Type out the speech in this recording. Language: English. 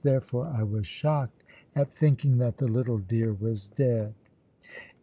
Therefore I was shocked at thinking that the little dear was dead.